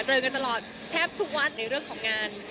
เจอกันตลอดแทบทุกวัดในเรื่องของงาน